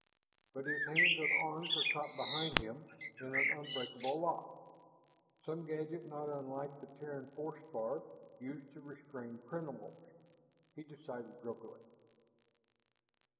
But his hands and arms were caught behind him in an unbreakable lock, some gadget not unlike the Terran force bar used to restrain criminals, he decided groggily.